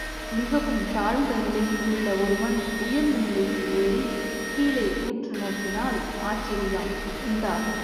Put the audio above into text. மிகவும் தாழ்ந்த நிலையில் உள்ள ஒருவன் உயர்ந்த நிலைக்கு ஏறிக் கீழே உற்று நோக்கினால் ஆச்சரியம் உண்டாகும்.